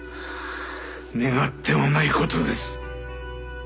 願ってもないことです。